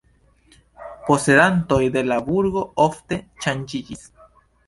Posedantoj de la burgo ofte ŝanĝiĝis.